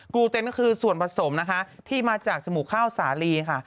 ูเต็นก็คือส่วนผสมนะคะที่มาจากจมูกข้าวสาลีค่ะ